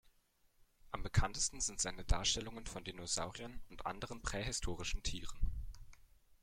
Am bekanntesten sind seine Darstellungen von Dinosauriern und anderen prähistorischen Tieren.